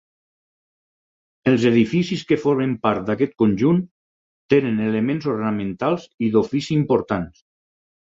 Els edificis que formen part d'aquest conjunt, tenen elements ornamentals i d'ofici importants.